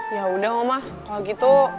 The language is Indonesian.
yaudah oma kalau gitu